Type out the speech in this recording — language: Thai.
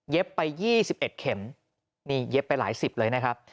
ไป๒๑เข็มนี่เย็บไปหลายสิบเลยนะครับ